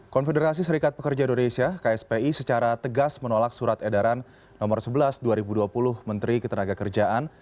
konfederasi serikat pekerja indonesia kspi secara tegas menolak surat edaran nomor sebelas dua ribu dua puluh menteri ketenaga kerjaan